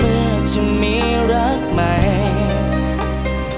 แม่จะมีรักใหม่